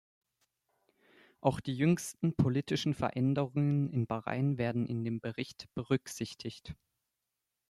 Auch die jüngsten politischen Veränderungen in Bahrain werden in dem Bericht berücksichtigt.